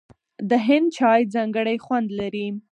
د هند چای ځانګړی خوند لري.